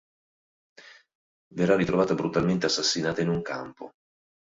Verrà ritrovata brutalmente assassinata in un campo.